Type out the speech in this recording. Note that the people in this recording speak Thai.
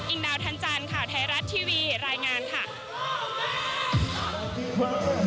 ดาวทันจันทร์ข่าวไทยรัฐทีวีรายงานค่ะ